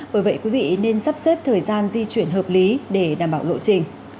bởi vậy quý vị nên sắp xếp thời gian di chuyển hợp lý để đảm bảo lộ trình